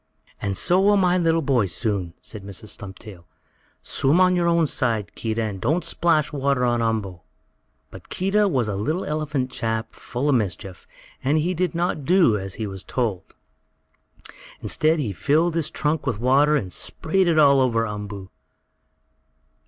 "And so will my little boy, soon," said Mrs. Stumptail. "Swim on your own side, Keedah, and don't splash water on Umboo." But Keedah was a little elephant chap full of mischief, and he did not do as he was told. Instead he filled his trunk with water and sprayed it all over Umboo.